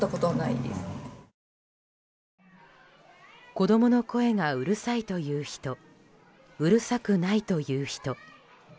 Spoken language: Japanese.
子供の声がうるさいと言う人うるさくないと言う人。